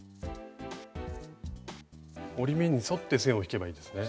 折り目に沿って線を引けばいいんですね。